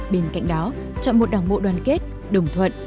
bên cạnh đó chọn một đảng bộ đoàn kết đồng thuận